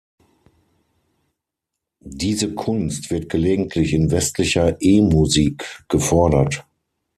Diese Kunst wird gelegentlich in westlicher E-Musik gefordert.